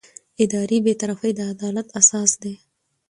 اداري بېطرفي د عدالت اساس دی.